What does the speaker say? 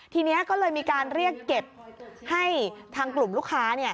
ทีนี้ก็เลยมีการเรียกเก็บให้ทางกลุ่มลูกค้า